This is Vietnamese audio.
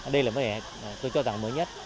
đây là tôi cho rằng mới nhất